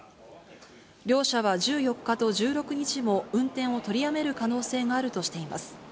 両社は１４日と１６日も運転を取りやめる可能性があるとしています。